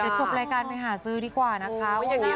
เดี๋ยวจบรายการไปหาซื้อดีกว่านะคะ